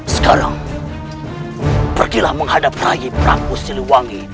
sekarang pergilah menghadap raih prabu siliwangi